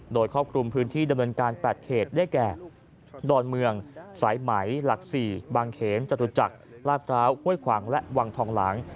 โดยครอบคลุมพื้นที่ดำเนินการ๘เขตได้แก่ดอนเมืองสายไหมหลัก๔บางเขนจตุจักรลาดพร้าวห้วยขวางและวังทองหลาง